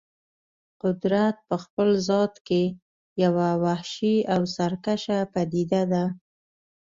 قدرت په خپل ذات کې یوه وحشي او سرکشه پدیده ده.